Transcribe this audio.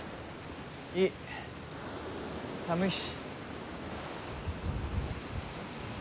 いい寒いし。